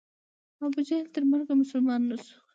ابو جهل تر مرګه مسلمان نه سو.